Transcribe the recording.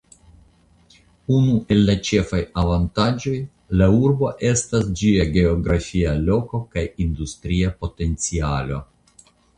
Unu el la ĉefaj avantaĝoj la urbo estas ĝia geografia Loko kaj industria potencialo.